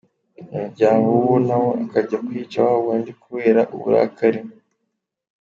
Umuryango w’uwo na wo ukajya kwica wawundi kubera uburakari.